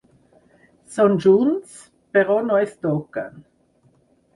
Són junts, però no es toquen.